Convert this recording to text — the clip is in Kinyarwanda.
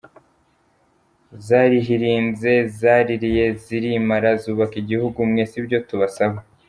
Zarihirinze, zaririye zirimara zubaka igihugu; mwe sibyo tubasaba.